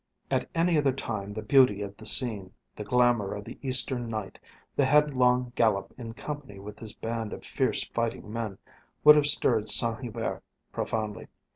At any other time the beauty of the scene, the glamour of the Eastern night, the head long gallop in company with this band of fierce fighting men would have stirred Saint Hubert profoundly.